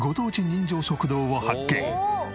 人情食堂を発見。